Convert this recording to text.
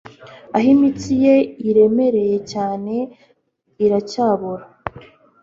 aho imitsi ye iremereye cyane iracyabora